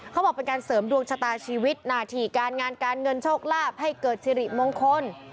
เขาบอกเป็นการเสริมดวงชะตาชีวิตหน้าที่การงานการเงินโชคลาภให้เกิดสิริมงคล